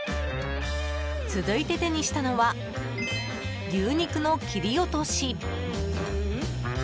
続いて手にしたのは牛肉の切り落とし。